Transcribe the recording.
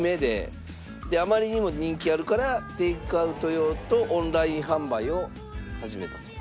あまりにも人気あるからテイクアウト用とオンライン販売を始めたと。